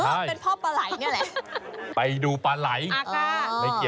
คราวนี้ก็ปลาไหล่อีกเหรอ